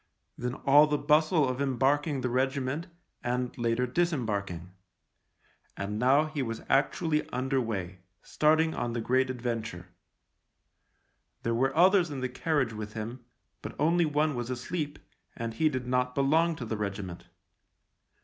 Then all the bustle of embarking 6 THE LIEUTENANT the regiment and, later, disembarking. And now he was actually under way, starting on the Great Adventure. There were others in the carriage with him, but only one was asleep and he did not belong to the regiment.